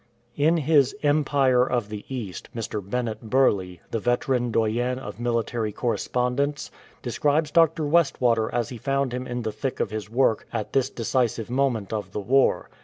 In his Empire of the East Mr. Bennet Burleigh, the veteran doyen of military correspondents, describes Dr. Westwater as he found him in the thick of his work at this decisive moment of the war.